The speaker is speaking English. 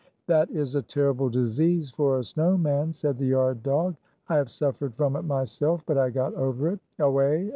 "That is a terrible disease for a snow man," said the yard dog. " I have suffered from it myself, but I got over it. Away!